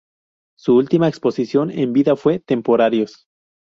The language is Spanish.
Su última exposición en vida fue "Temporarios".